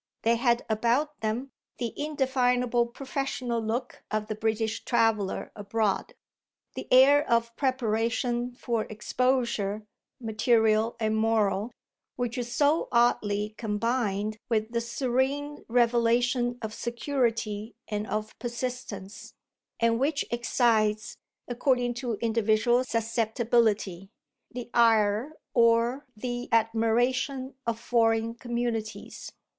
They had about them the indefinable professional look of the British traveller abroad; the air of preparation for exposure, material and moral, which is so oddly combined with the serene revelation of security and of persistence, and which excites, according to individual susceptibility, the ire or the admiration of foreign communities.